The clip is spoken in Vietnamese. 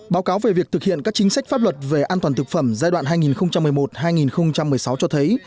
báo cáo về việc thực hiện các chính sách pháp luật về an toàn thực phẩm giai đoạn hai nghìn một mươi một hai nghìn một mươi sáu cho thấy